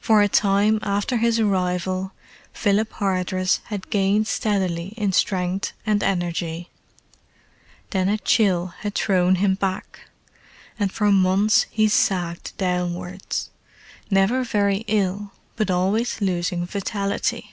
For a time after his arrival Philip Hardress had gained steadily in strength and energy; then a chill had thrown him back, and for months he sagged downwards; never very ill, but always losing vitality.